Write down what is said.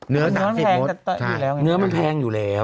เนื้อมันแพงอยู่แล้ว